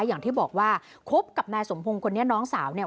อย่างที่บอกว่าคบกับนายสมพงศ์คนนี้น้องสาวเนี่ย